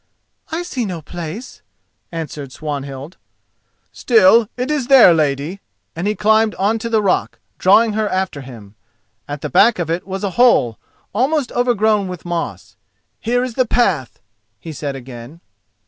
"I see no place," answered Swanhild. "Still, it is there, lady," and he climbed on to the rock, drawing her after him. At the back of it was a hole, almost overgrown with moss. "Here is the path," he said again.